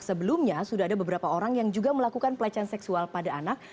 sebelumnya sudah ada beberapa orang yang juga melakukan pelecehan seksual pada anak